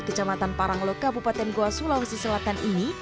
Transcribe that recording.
kecamatan parangloka bupaten goa sulawesi selatan ini